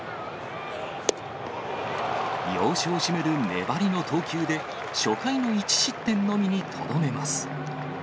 要所を締める粘りの投球で、初回の１失点のみにとどめます。